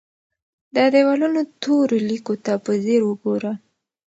د دیوالونو تورو لیکو ته په ځیر وګوره.